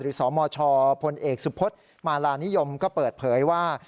สมชพลเอกสุพศมาลานิยมก็เปิดเผยว่า